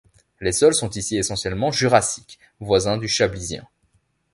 Les sols sont ici essentiellement jurassiques, voisins du Chablisien.